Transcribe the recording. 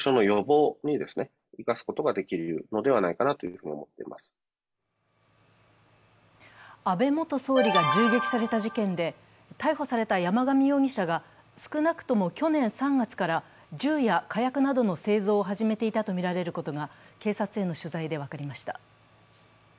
この研究について女性は安倍元総理が銃撃された事件で逮捕された山上容疑者が少なくとも去年３月から銃や火薬などの製造をはじめていたとみられることが警察への取材で分かりました。